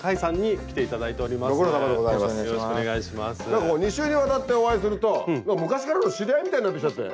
なんかこう２週にわたってお会いすると昔からの知り合いみたいになってきちゃって。